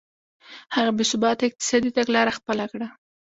هغه بې ثباته اقتصادي تګلاره خپله کړه.